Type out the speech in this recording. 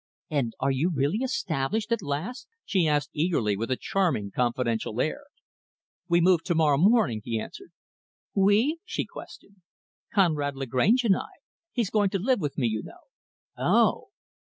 "And are you really established, at last?" she asked eagerly; with a charming, confidential air. "We move to morrow morning," he answered. "We?" she questioned. "Conrad Lagrange and I. He is going to live with me, you know." "Oh!"